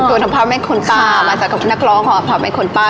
ตุ๋นภาพแม่งคุณป้ามาจากนักร้องภาพแม่งคุณป้า